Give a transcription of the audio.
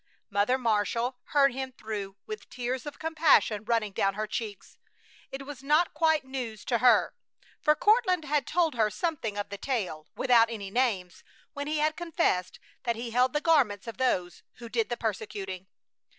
Mother Marshall heard him through with tears of compassion running down her cheeks. It was not quite news to her, for Courtland had told her something of the tale, without any names, when he had confessed that he held the garments of those who did the persecuting.